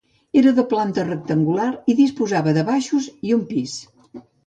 Era de planta rectangular i disposava de baixos i un pis.